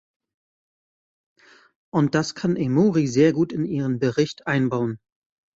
Und das kann Emory sehr gut in ihren Bericht einbauen.